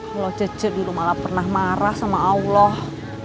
kalau cece dulu malah pernah marah sama allah